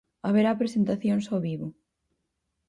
Haberá presentacións ao vivo.